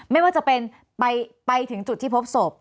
ไม่ว่าจะเป็นไปถึงจุดที่พบศพ